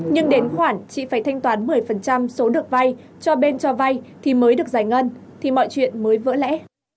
nhưng đến khoản chị phải thanh toán một mươi số được vay cho bên cho vay thì mới được giải ngân thì mọi chuyện mới vỡ lẽ